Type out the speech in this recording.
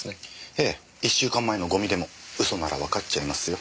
ええ１週間前のゴミでも嘘ならわかっちゃいますよ。